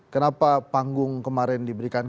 kenapa panggung kemarin diberikan